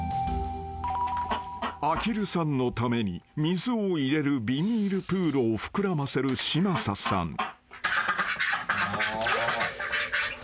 ［アヒルさんのために水を入れるビニールプールを膨らませる嶋佐さん］